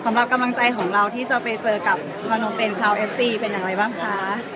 สำหรับกำลังใจของเราที่จะไปเจอกับพาโนเป็นพราวเอฟซีเป็นอย่างไรบ้างคะ